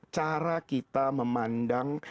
cara kita memandang